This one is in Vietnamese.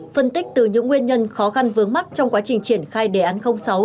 phân tích từ những nguyên nhân khó khăn vướng mắt trong quá trình triển khai đề án sáu